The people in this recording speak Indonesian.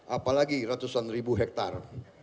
apalagi ratusan ribu hektare